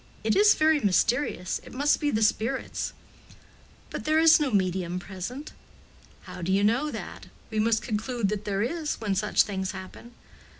It is very mysterious. It must be the spirits." "But there is no medium present." "How do you know that? We must conclude that there is, when such things happen."